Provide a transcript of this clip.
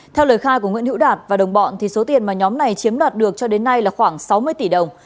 theo lời khai của nguyễn hữu đạt và đồng bọn số tiền mà nhóm này chiếm đoạt được cho đến nay là khoảng sáu mươi tỷ đồng